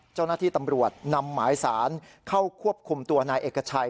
เจ้าหน้าที่ตำรวจนำหมายสารเข้าควบคุมตัวนายเอกชัย